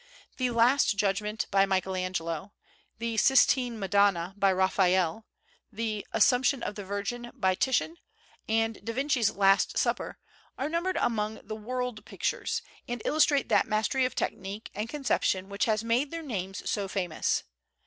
The "Last Judgment," by Michelangelo; the Sistine "Madonna," by Raphael; the "Assumption of the Virgin," by Titian, and da Vinci's "Last Supper" are numbered among the "World Pictures," and illustrate that mastery of technique and conception which has made their names so famous.